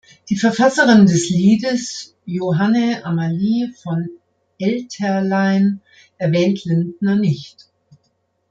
Die Verfasserin des Liedes Johanne Amalie von Elterlein erwähnt Lindner nicht.